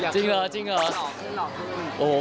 จริงหรอจริงหรอ